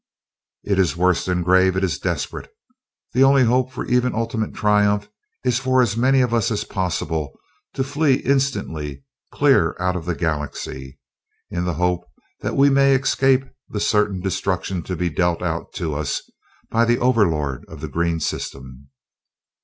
"It is worse than grave it is desperate. The only hope for even ultimate triumph is for as many of us as possible to flee instantly clear out of the Galaxy, in the hope that we may escape the certain destruction to be dealt out to us by the Overlord of the Green System."